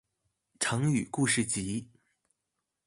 成語故事集